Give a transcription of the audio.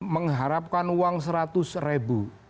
mengharapkan uang seratus ribu